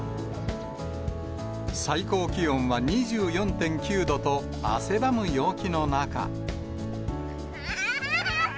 最高気温は２４．９度と、汗ばむ陽気の中。